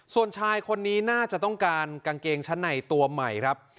ส่วนชายคนนี้น่าจะต้องการกางเกงชั้นในตัวใหม่ครับ